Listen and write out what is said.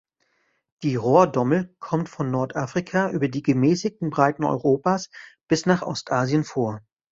Die Rohrdommel kommt von Nordafrika über die gemäßigten Breiten Europas bis nach Ostasien vor.